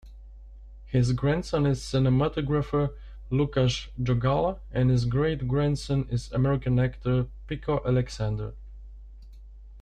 His grandson is cinematographer Lukasz Jogalla and his great-grandson is American actor Pico Alexander.